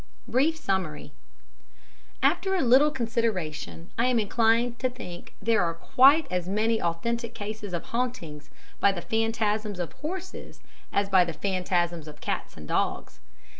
Brief Summary After a little consideration I am inclined to think there are quite as many authentic cases of hauntings by the phantasms of horses as by the phantasms of cats and dogs.